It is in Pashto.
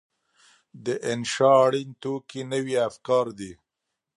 د انشأ اړین توکي نوي افکار دي.